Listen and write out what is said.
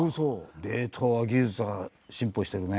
冷凍技術は進歩してるね。